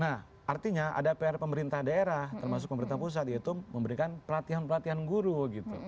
nah artinya ada pr pemerintah daerah termasuk pemerintah pusat yaitu memberikan pelatihan pelatihan guru gitu